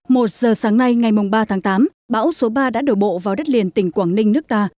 một giờ sáng nay ngày ba tháng tám bão số ba đã đổ bộ vào đất liền tỉnh quảng ninh nước ta